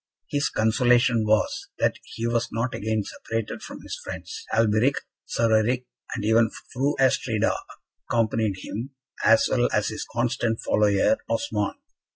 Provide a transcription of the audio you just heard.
His consolation was, that he was not again separated from his friends; Alberic, Sir Eric, and even Fru Astrida, accompanied him, as well as his constant follower, Osmond.